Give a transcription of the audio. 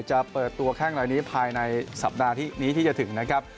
จะเปิดตัวแข้งรายนี้ภายในสัปดาห์ที่นี้ที่จะถึงนะครับ